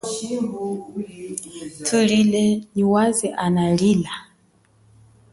Thulile nyi waze analila.